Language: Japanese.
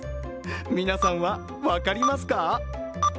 皆さんは分かりますか？